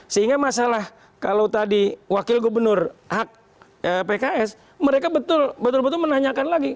sehingga masalah kalau tadi wakil gubernur hak pks mereka betul betul menanyakan lagi